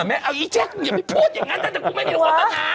แม่เอาอีแจ๊คอย่าไปพูดอย่างงั้นแต่กูไม่ได้รู้ว่าตัวน่าเออ